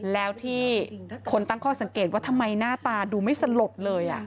แล้วที่คนตั้งข้อสังเกตว่าทำไมหน้าตาดูไม่สลดเลย